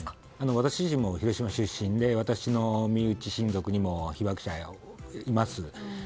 私自身も広島出身で私の身内、親族にも被爆者がいます。